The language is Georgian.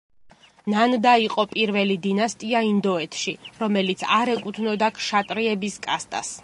ნანდა იყო პირველი დინასტია ინდოეთში, რომელიც არ ეკუთვნოდა ქშატრიების კასტას.